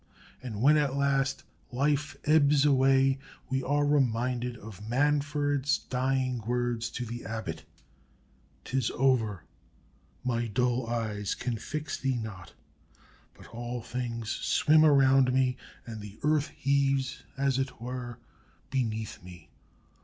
And when at last life ebbs away, we are reminded of Manfred's dying words to the Abbot: "'Tis over my dull eyes can fix thee not; But all things swim around me, and the earth Heaves, as it were, beneath me....